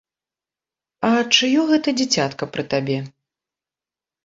А чыё гэта дзіцятка пры табе?